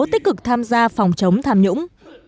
tích cực tham gia phòng chống tham nhũng